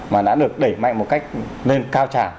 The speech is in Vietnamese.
mà đã được đẩy mạnh một cách lên cao trào